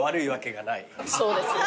そうですね。